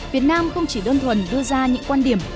việt nam không chỉ đơn thuần đưa ra những quan điểm